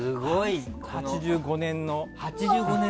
８５年の。